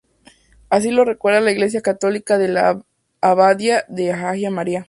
Así lo recuerda la Iglesia católica de la Abadía de Hagia María.